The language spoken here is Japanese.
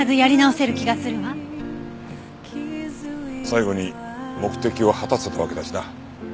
最後に目的を果たせたわけだしな。